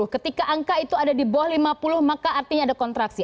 ketika angka itu ada di bawah lima puluh maka artinya ada kontraksi